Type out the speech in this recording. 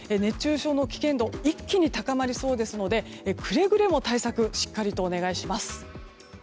熱中症の危険度が一気に高まりそうですのでくれぐれも対策、しっかりとお願いします。